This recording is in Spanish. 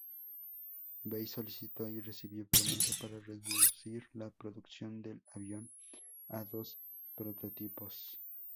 Bell solicitó y recibió permiso para reducir la producción del avión a dos prototipos.